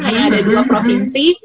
hanya ada dua provinsi